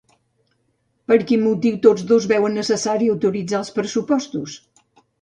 Per quin motiu tots dos veuen necessari autoritzar els pressupostos?